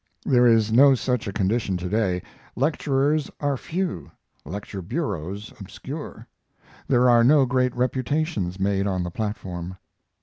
There is no such a condition to day: lecturers are few, lecture bureaus obscure; there are no great reputations made on the platform.